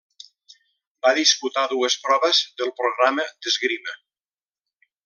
Va disputar dues proves del programa d'esgrima.